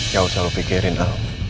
ya usah lu pikirin al